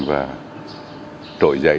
và trội dậy